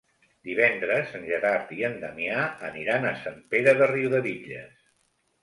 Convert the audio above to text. Divendres en Gerard i en Damià aniran a Sant Pere de Riudebitlles.